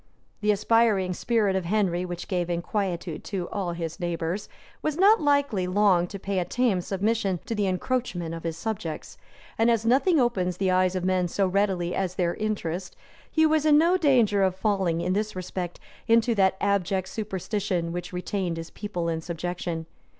The aspiring spirit of Henry, which gave inquietude to all his neighbors, was not likely long to pay a tame submission to the encroachments of subjects; and as nothing opens the eyes of men so readily as their interest, he was in no danger of falling, in this respect, into that abject superstition which retained his people in subjection.